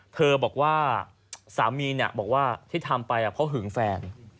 เธอบอกว่าสามีบอกว่าที่ทำไปเพราะหึงแฟน